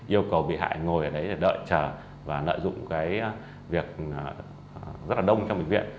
yêu cầu bị hại ngồi ở đấy để đợi chờ và nợ dụng cái việc rất là đông trong bệnh viện